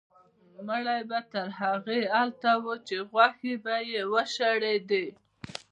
مړی به تر هغې هلته و چې غوښې به یې وشړېدې.